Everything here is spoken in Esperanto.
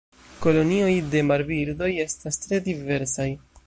Kolonioj de marbirdoj estas tre diversaj.